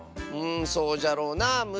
うんそうじゃろうなあ。